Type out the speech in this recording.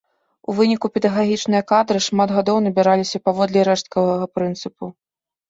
У выніку педагагічныя кадры шмат гадоў набіраліся паводле рэшткавага прынцыпу.